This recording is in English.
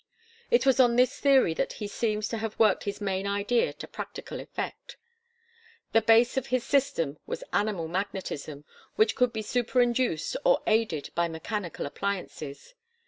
It was on this theory that he seems to have worked his main idea to practical effect. The base of his system was animal magnetism, which could be superinduced or aided by mechanical appliances.